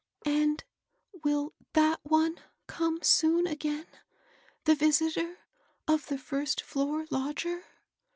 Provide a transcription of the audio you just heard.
*' And will that one come soon again? — the visitor of the first floor lodger